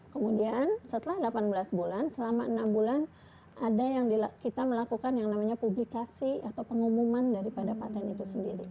kemudian setelah delapan belas bulan selama enam bulan ada yang kita melakukan yang namanya publikasi atau pengumuman daripada patent itu sendiri